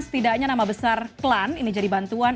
setidaknya nama besar klan ini jadi bantuan